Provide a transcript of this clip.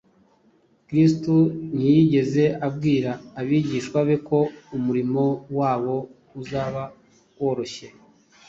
Kristo ntiyigeze abwira abigishwa be ko umurimo wabo uzaba woroshye.